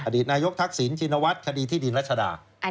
ดีตนายกทักษิณชินวัฒน์คดีที่ดินรัชดา